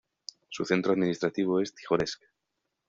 Su centro administrativo es Tijoretsk.